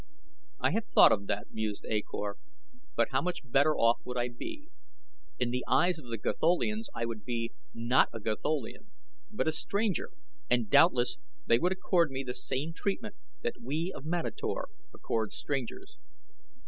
"I have thought of that," mused A Kor; "but how much better off would I be? In the eyes of the Gatholians I would be, not a Gatholian; but a stranger and doubtless they would accord me the same treatment that we of Manator accord strangers."